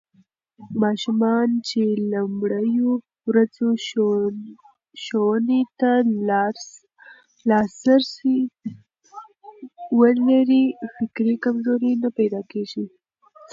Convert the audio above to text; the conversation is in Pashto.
ماشومان چې له لومړيو ورځو ښوونې ته لاسرسی ولري، فکري کمزوري نه پيدا کېږي.